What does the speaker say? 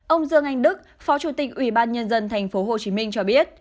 ông dương anh đức phó chủ tịch ủy ban nhân dân tp hcm cho biết